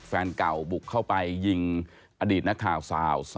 แฟนเก่าบุกเข้าไปยิงอดีตนักข่าวสาว